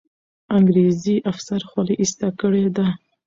انګریزي افسر خولۍ ایسته کړې ده.